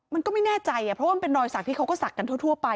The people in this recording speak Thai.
มันก็ไม่แน่ใจเพราะว่ามันเป็นรอยสักที่เขาก็ศักดิ์กันทั่วไป